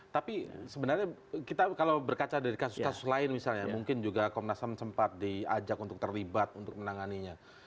tapi sebenarnya kita kalau berkaca dari kasus kasus lain misalnya mungkin juga komnas ham sempat diajak untuk terlibat untuk menanganinya